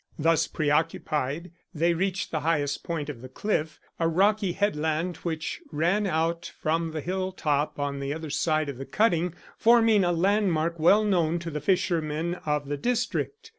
Thus preoccupied, they reached the highest point of the cliff, a rocky headland which ran out from the hill top on the other side of the cutting, forming a landmark well known to the fishermen of the district.